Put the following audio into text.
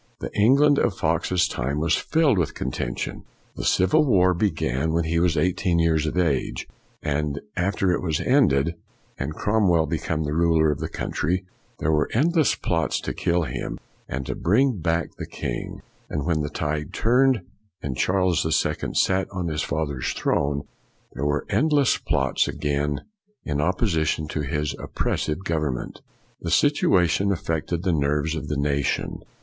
The England of Fox's time was filled with contention. The Civil War began when 280 FOX he was eighteen years of age; and after it was ended, and Cromwell became the ruler of the country, there were endless plots to kill him and to bring back the king; and when the tide turned and Charles the Second sat on his father's throne, there were endless plots again in opposition to his oppressive government. The situation affected the nerves of the nation.